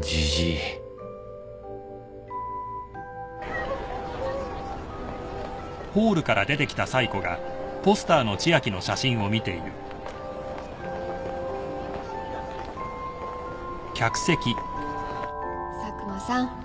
じじい佐久間さん。